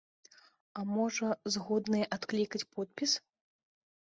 А можа, згодныя адклікаць подпіс?